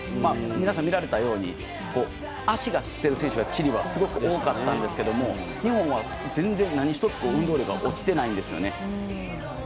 皆さん、見られたように足がつっている選手がチリはすごく多かったんですけれども日本は全然、何１つ運動量が落ちていないんですね。